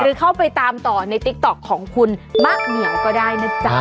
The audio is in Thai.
หรือเข้าไปตามต่อในติ๊กต๊อกของคุณมะเหมียวก็ได้นะจ๊ะ